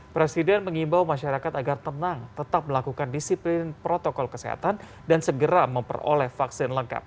presiden mengimbau masyarakat agar tenang tetap melakukan disiplin protokol kesehatan dan segera memperoleh vaksin lengkap